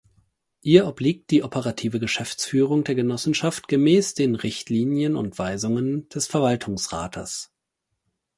Ihr obliegt die operative Geschäftsführung der Genossenschaft gemäss den Richtlinien und Weisungen des Verwaltungsrates.